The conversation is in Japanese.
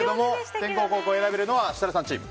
先攻・後攻、選べるのは設楽さんチーム。